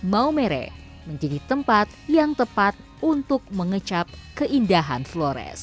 maumere menjadi tempat yang tepat untuk mengecap keindahan flores